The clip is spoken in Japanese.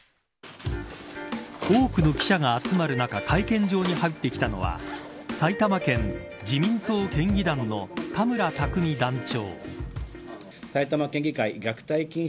多くの記者が集まる中会見場に入ってきたのは埼玉県自民党県議団の田村琢実団長。